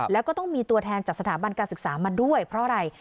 แล้วก็ต้องมีตัวแทนจากสถาบันการศึกษามาด้วยเพราะอะไร